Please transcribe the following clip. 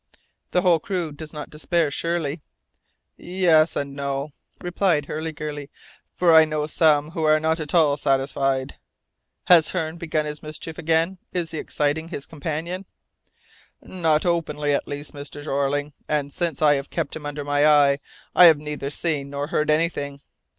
"The whole crew does not despair, surely?" "Yes and no," replied Hurliguerly, "for I know some who are not at all satisfied!" "Has Hearne begun his mischief again? Is he exciting his companions?" "Not openly at least, Mr. Jeorling, and since I have kept him under my eye I have neither seen nor heard anything.